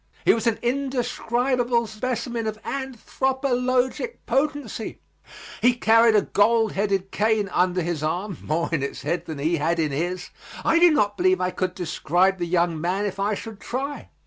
He was an indescribable specimen of anthropologic potency. He carried a gold headed cane under his arm more in its head than he had in his. I do not believe I could describe the young man if I should try.